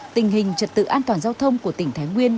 tình hình trật tự an toàn giao thông của tỉnh thái nguyên